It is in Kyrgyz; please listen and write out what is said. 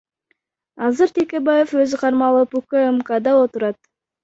Азыр Текебаев өзү кармалып, УКМКда отурат.